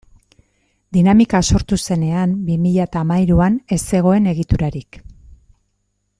Dinamika sortu zenean, bi mila hamahiruan, ez zegoen egiturarik.